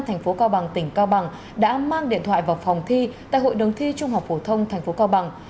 thành phố cao bằng tỉnh cao bằng đã mang điện thoại vào phòng thi tại hội đồng thi trung học phổ thông tp cao bằng